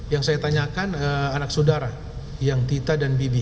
yang saya tanyakan anak saudara yang tita dan bibi